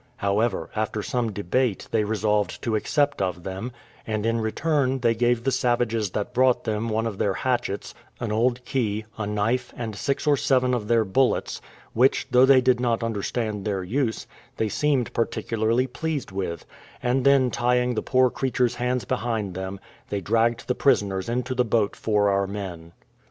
However, after some debate, they resolved to accept of them: and, in return, they gave the savages that brought them one of their hatchets, an old key, a knife, and six or seven of their bullets; which, though they did not understand their use, they seemed particularly pleased with; and then tying the poor creatures' hands behind them, they dragged the prisoners into the boat for our men.